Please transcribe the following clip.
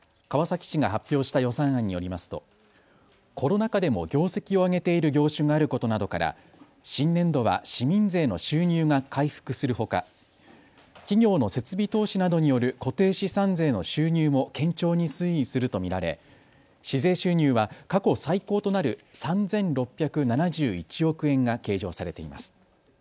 川崎市が発表した予算案によりますとコロナ禍でも業績を上げている業種があることなどから新年度は市民税の収入が回復するほか企業の設備投資などによる固定資産税の収入も堅調に推移すると見られ市税収入は過去最高となる３６７１億円が計上されています。